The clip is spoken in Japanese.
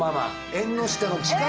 縁の下の力持ち！